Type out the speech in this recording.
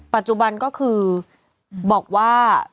ปัจจุบันก็คือบอกว่า